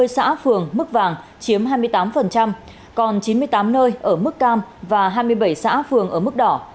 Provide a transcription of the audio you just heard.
hai bảy trăm chín mươi xã phường mức vàng chiếm hai mươi tám còn chín mươi tám nơi ở mức cam và hai mươi bảy xã phường ở mức đỏ